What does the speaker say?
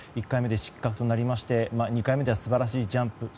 １回目で失格となりまして２回目で素晴らしいジャンプ。